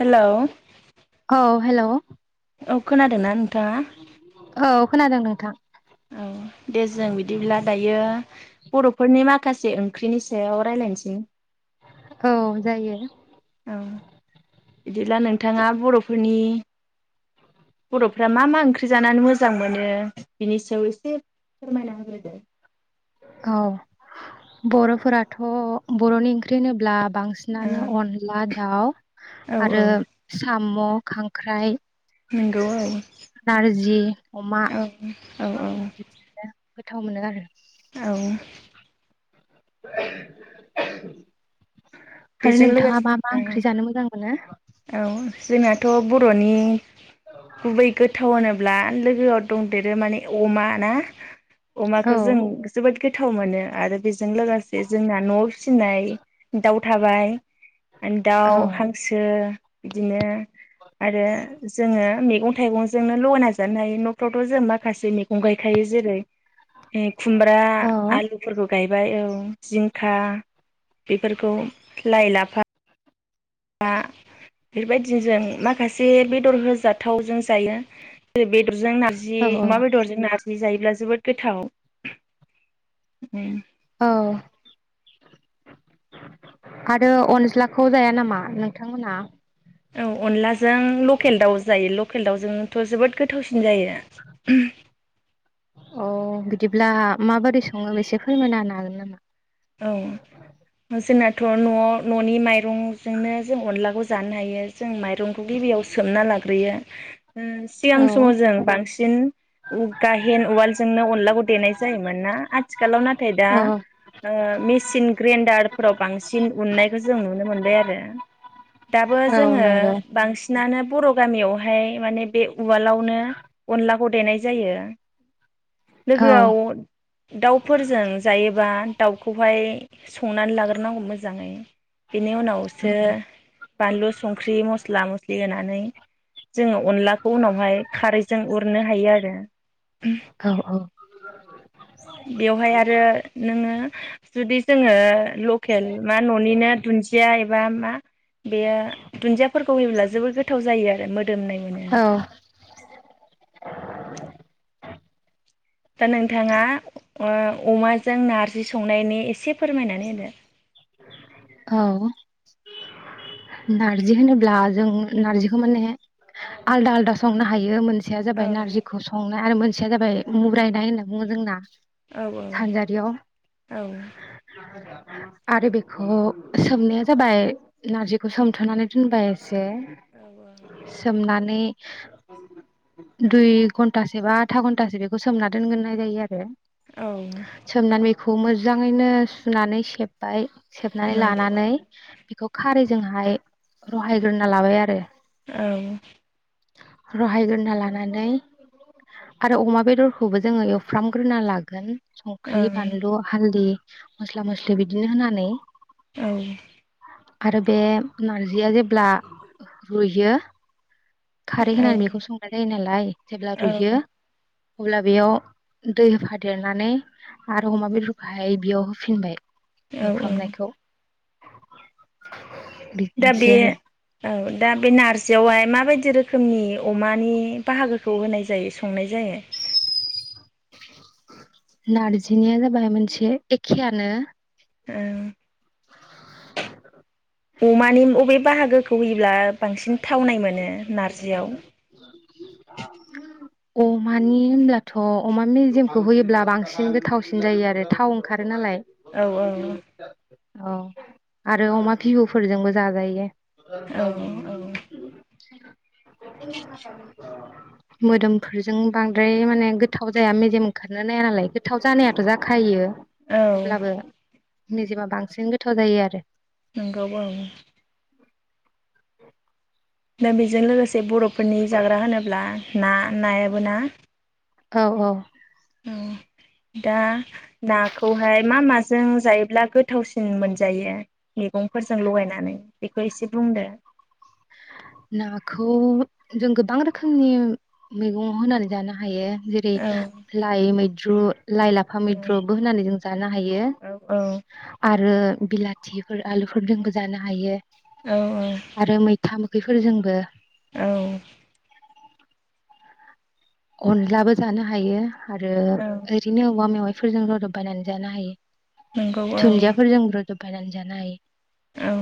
Hello [inaudible] औ। Hello. औ खोनादों ना नोंथाङा। औ खोनादों नोंथां। औ दे जों बिदिब्ला दायो बरफोरनि माखासे ओंख्रिनि सायाव रायलायनोसै। औ जायो। औ बिदिब्ला नोंथाङा बरफोरनि बरफ्रा मा मा ओंख्रि जानानै मोजां मोनो बिनि सायाव एसे फोरमायना होग्रोदो। औ बरफोराथ बरनि ओंख्रि होनोब्ला। औ बांसिनानो अनला दाउ औ औ आरो सा म' खांख्राइ। नोंगौ औ। नारजि अमा औ औ औ। गोथाव मोनो आरो। औ [unintelligible] आरो बेजों नोंथाङा मा मा लोगोसे ओंख्रि जानो मोजां मोनो। थ' बर'नि गुबै गोथावानो। अब्ला लोगोआव दंदेरो माने अमा ना। अमाखौ औ जों जोबोद गोथाव मोनो आरो बेजों लोगोसे जोंना न'आव फिसिनाय दाउ थाबाय। दाउ औ हांसो। बिदिनो आरो जोङो मैगं थाइगंजोंनो लगायना नाजानो हायो न'फ्रावथ' जों माखासे मैगं गायखायो जेरै ए खुमब्रा औ आलुफोरखौ गाय। बाय औ जिंखा बेफोरखौ। लाइ लाफा। फा बेफोरबायदिनो जों माखासे बेदर होजाथावजों जायो। जेरै बेदरजों नारजि औ अमा बेदरजों नारजि। जि जायोब्ला जोबोद गोथाव औ आरो अनज्लाखौ जाया नामा नोंथांमोनहा? औ अनलाजों लकेल दाउ जायो लकेल दाउजोंथ' जोबोद गोथावसिन। जायो अ बिदिब्ला माबोरै सङो बेसे फोरमायना होनो हागोन नामा? औ जोंना थ' न'आव न'नि माइरंजोंनो जों अनलाखौ जानो हायो जों माइरंखौ गिबियाव सोमना लाग्रोयो। सिगां समाव औ जों बांसिन गाहेन उवालजोंनो अनलाखौ देनाय जायोमोन ना आथिखालाव नाथाय दा ओ मिसिन ग्रेनदारफोराव बांसिन उननायखौ जों नुनो मोनबाय आरो दाबो औ जोङो नंगौ बांसिन। दानो बर' गामियावहाय माने बे उवालावनो अनला देनाय जायो। औ लोगोआव दाउफोरजों जायोबा। दाउखौहाय। संनानै लाग्रोनांगौ मोजाङै बेनि उनावसो औ बानलु संख्रि मस्ला मस्लि होनानै। नै जोङो अनलाखौ उनावहाय खारैजों उरनो हायो आरो औ औ बेवहाय आरो नोङो। जुदि जोङो लखेल मा न'निनो दुया बा मा बेयो दुन्दियाफोरखौ होयोब्ला जोबोर गोथाव जायो आरो। [inaudible] मोदोमनाय मोनो। औ दा नोंथाङा अमाजों नारजि संनायनि एसे फोरमायनानै होदो औ नारजि होनोब्ला जों नारजिखौ माने आलदा आलदा संनो हायो। मोनसेया जाबाय होदो नारजिखौ सनाय आरो मोन मोनसेयाव जाबाय मुरायनाय होनना बुङो जोंना। औ औ सानजारियाव औ। आरो बेखौ सोमनाया जाबाय नारजिखौ सोमथ'नानै दोनबाय। औ सोमनानै दुइ घन्टासो बा आथा घन्टासो बेखौ सोमना दोनगोरनाय जायो आरो। सोमनानै खौ मोजाङैनो सुनानै सेब्बाय सेबनानै नंगौ लानानै औ बेखौ खारैजोंहाय रहायग्रोना लाबाय आरो औ रहायग्रोना लानानै आरो अमा बेदरखौबो जोङो एवफ्रामग्रोना लागोन औ संख्रि बानलु हालदि मस्ला मस्लि बिदिनो होनानै औ आरो बे नारजिया जेब्ला रुयो खारै होनानै बेखौ औ संनाय जायो नालाय जेब्ला रुयो औ अब्ला बेयाव दै होफादेरनानै आरो अमा बेदरखौहाय बेयाव होफिनबाय औ एवफ्रामनायखौ दा बे बिदिनोसै आरो औ दा बे नारजियावहाय मा माबायदि रोखोमनि अमानि बाहागोखौ होनाय जायो संनाय जायो नारजिनिया जाबाय मोनसे एखेआनो औ [inaudible] अमानि अबे बाहागोखौ होयोब्ला बांसिन थावनाय मोनो नारजियाव ओ मानि होनब्लाथ अमा मेजेमखौ होयोब्ला बांसिन गोथावसिन जायो आरो थाव ओंखा रो नालाय औ औ आरो अमा भिबुफोरजोंबो जाजायो औ औ मोदोमफोरजों बांद्राय माने गोथाव जाया मेजेम ओंखारनो नाया नालाय गोथाव जानायाथ जाखायो औ अब्लाबो मेजेमा बांसिन गोथाव जायो आरो नोंगौ ओं दा बेजों लोगोसे बरफोरनि जाग्रा होनोब्ला ना नायाबो ना औ औ औ दा नाखौहाय मा माजों जायोब्ला गोथावसिन मोनजायो मैगंफोरजों लगायनानै बेखौ एसे बुंदो नाखौ जों गोबां रोखोमनि मैगं होनानै जानो हायो जेरै औ लाय मै द्रु लाइ लाफा मैद्रुबो होननानै जों जानो हायो औ आ रो बिलाथिफोर आलुफोरजोंबो जानो हायो औ आरो मैथा बेफोरजोंबो औ अनलाबो जानो हायो आरो औ ओरैनो औवा मेवाइ फोरजों रदब बायनानै जानो हायो नंगौ औ धुन्दियाफोरजों रोदोब बायनानै जानो हायो औ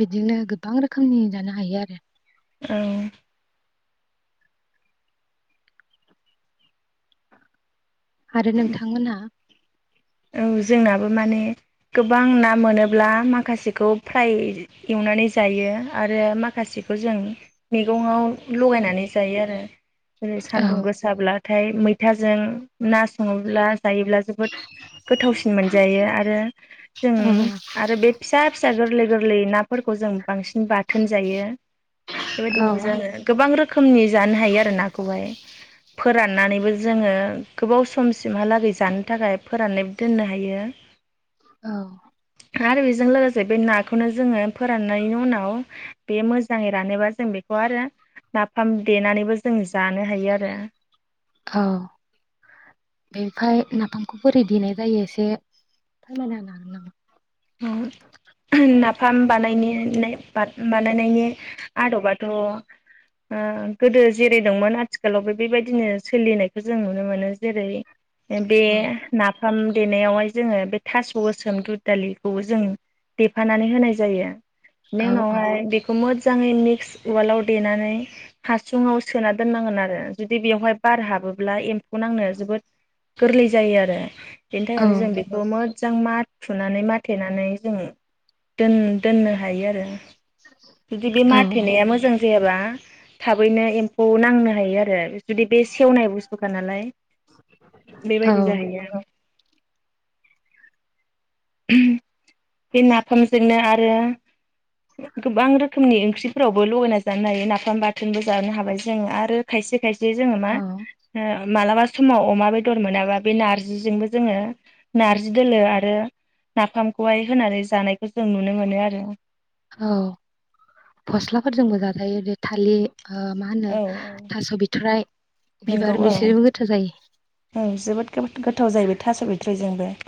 बिदिनो गोबां रोखोमनि जानो हायो आरो औ आरो नोंथांमोना औ जोंनाबो माने गोबां ना मोनोब्ला माखासेखौ फ्राय एवनानै जायो आरो माखासेखौ जों मैग'ङाव लगायनानै जायो आरो ओरै औ सान्दुं गोसाब्ला थाय मैथाजों ना सङोब्ला जायोब्ला जो गोथावसिन मोनजायो आरो जों औ आरो बे फिसा फिसा गोरलै गोरलै नाफोरखौ जों बांसिन बाथोन जायो। बेबायदिनो औ जोङो गोबां रोखोमनि जानो हायो आरो नाखौहाय फोराननानैबो जोङो गोबाव समसिमहालागै जानो थाखाय फोराननायबो दोननो हायो औ आरो बेजों लोगोसे बे नाखौनो जोङो फोराननायनि उनाव बे मोजाङै रानोबा जों बेखौ आरो नाफाम देनानैबो जों जानो हायो आरो औ बेनिफाय नाफामखौ बोरै देनाय जायो एसे फोरमायना होनो हागोन नामा? औ नाफाम बानायनो बानायनायनि आदबाथ ओ गोदो जेरै दंमोन आथिखालावबो बेबायदिनो सोलिनायखौ जों नुनो मोनो जेरै बे औ नाफाम देनायावहाय जोङो बे थास' गोसोम दुदालि खौ जों देफानानै होनाय जायो। बेनि औ औ उनावहाय बेखौ मो जाङै मिक्स उवालाव देनानै हासुङाव सोना दोननांगोन आरो जुदि बेवहाय बार हाबोब्ला एम्फौ नांनो जोबोद गोरलै जायो आरो बेनि औ थाखायनो जों बेखौ मोजां मा थुनानै मा थेनानै जों दोन-दोननो हायो आरो जुदि बे माथेनाया मोजां जायाबा थाबैनो एम्फौ नांनो हायो आरो जुदि बे सेवनाय बुस्थुखा नालाय औ बेबायदि जाहैयो आरो बे नाफामजोंनो आरो गोबां रो खोमनि ओंख्रिफोरावबो लगायना जानो हायो नाफाम बाथोनबो जानो हाबाय जों आरो खायसे खाय से जोङो मा औ ओ मालाबा समाव अमा बेदर मोनाबा बे नारजिजोंबो जोङो नारजि दोलो आरो नाफामखौहाय होनानै जानायखौ जों नुनो मोनो आरो औ फस्लाफोरजोंबो जाजायो बे थालि ओ मा होनो औ थास' बिथ'राय बिबार बिसोरजोंबो गोथाव जायो। ओ जोबोद गो-गोथाव जाहैबाय थास' बिथ'रिजोंबो। [inaudible]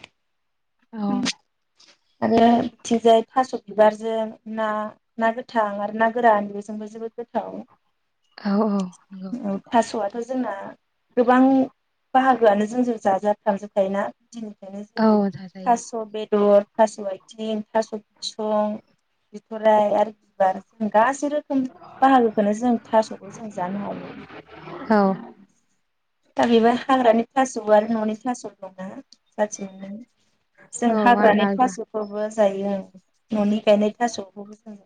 औ। आरो बिथिंजाय थास' बिबारजों ना ना गोथां आरो ना गोरान बेजोंबो जोबोद गोथाव। औ औ नोंगौ। थ' जोंना गोबां बाहागोआनो जोंजों जाजा फ्राम जोबखायोना। गुदि निफ्रायनो जेरै औ जाजायो थास' बेदर थास' आइथिं थास' बिसं बिथ'राय आरो बिबार जों गासै रोखोम बाहागोखौनो जों थास'खौ जों जानो हायो। औ दा बेबो हाग्रानि थास' आरो न'नि थास' दंना जाथि मोननै जों औ आलदा हाग्रानि आलदा थास'खौबो जायो न'नि गायनाय थास'खौबो जों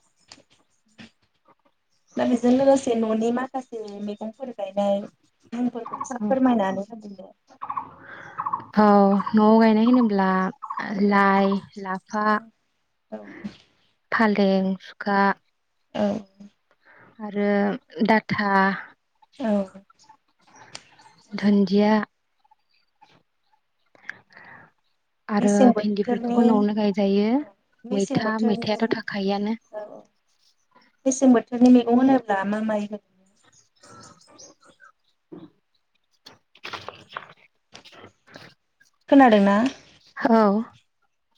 [inaudible] [inaudible] दा बेजों लोगोसे न'नि माखासे मै गंफोर गायनाय मुंफोरखौ औ एसे फोरमायनानै होदो दे। औ न'आव गायनाय होनोब्ला लाइ लाफा औ फालें दें सुखा औ आरो डाटा औ धोन्दिया आरो मेसें बोथोरनि भिन्दिफोरखौबो न'आवनो गायजायो मेसें मैथा बोथोरनि मैथायाथ' थाखायोआनो औ मेसें बोथोरनि मैगं होनोब्ला मा माइ [unintelligible] खोनादोंना? औ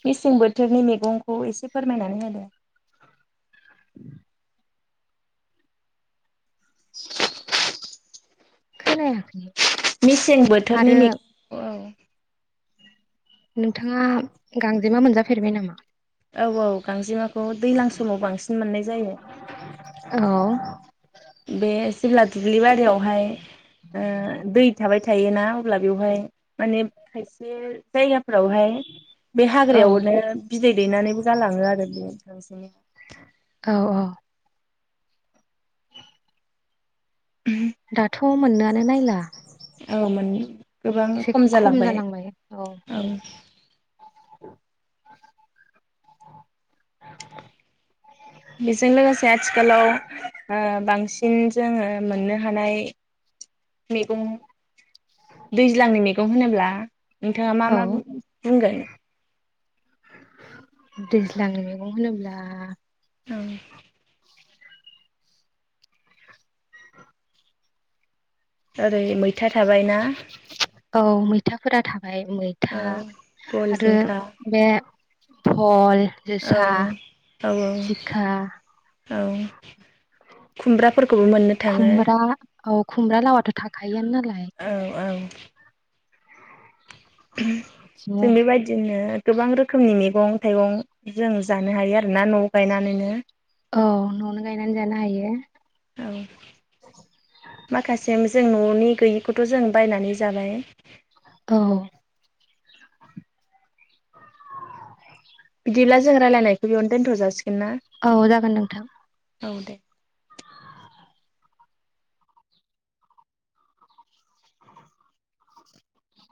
मेसें बोथोरनि मैगंखौ एसे फोरमायनानै होदो। [unintelligible] [unintelligible] खोनायाखै मेसें बोथोरनि आरो मैगं औ नोंथाङा गांजेमा मोनजाफेरबाय नामा? औ औ। गांजेमाखौ दैज्लां समाव बांसिन मोननाय जायो। औ बे जेब्ला दुब्लि बारियाव बेहाय ओ दै थाबाय थायोना अब्ला बेवहाय माने खायसे जायगा फोरावहाय बे औ हाग्रायाव नो बिदै दैनानैबो गालाङो आरो बे औ औ दाथ' थ मोननोआनो नायला औ गोबां खम जालांबाय औ [unintelligible] बेजों लोगोसे आथिखालाव ओ बांसिन जोङो मोननो हानाय मैगं दैज्लांनि मैगं होनोब्ला नोंथाङा मा औ मा बुंगोन दैज्लांनि मैगं होनोब्ला औ ओरै मैथा थाबायना थाफोरा था ओमफाय औ मैथा बल आरो जिंखा बे भल औ जोसा औ जिंखा औ खुमब्राफोरखौबो मोननो थाङो खुमब्रा औ खुमब्रा लावाथ' थाखायो नालाय। औ औ बिदिनो जों बेबायदिनो गोबां रोखोमनि मैगं थाइगं जों जानो हायो आरोना न' गायनानैनो औ न'आवनो गायनानै जानो हायो। औ माखासे जों न'नि गैयिखौथ' जों बायनानै जाबाय औ बिदिब्ला जों रायलायनायखौ बेयावनो दोनथ' जा सिगोन ना। औ जागोन नोंथां। औ दे [unintelligible]